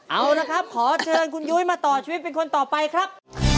เอาละครับขอเชิญคุณยุ้ยมาต่อชีวิตเป็นคนต่อไปครับ